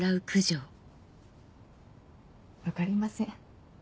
分かりません。